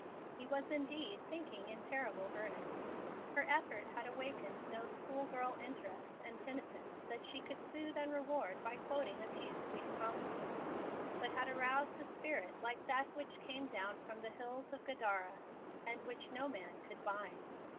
He was indeed thinking in terrible earnest. Her effort had awakened no school girl interest and penitence that she could soothe and reward by quoting a few sweet promises, but had aroused a spirit like that which came down from the hills of Gadara, and which no man could bind.